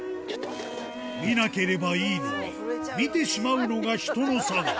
見なければいいのに、見てしまうのが人のさが。